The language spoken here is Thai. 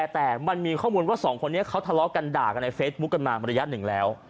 แต่มันมีข้อมูลว่าสองคนนี้เขาทะเลาะกันด่ากันในเฟซบุ๊คกันมาระยะหนึ่งแล้ว